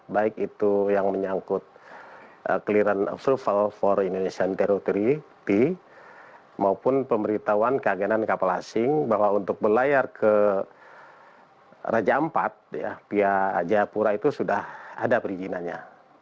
baik itu yang menyangkut clearance of survival for indonesian territory maupun pemberitahuan keaganan kapal asing bahwa untuk berlayar ke raja ampat pihak jepura itu sudah ada perizinannya